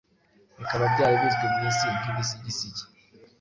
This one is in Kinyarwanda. Bikaba byari bizwi mu isi nkibisigisigi